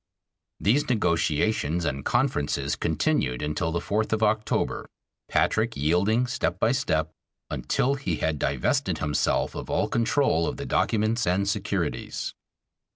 These negotiations and conferences continued until the fourth of October, Patrick yielding step by step, until he had divested himself of all control of the documents and securities.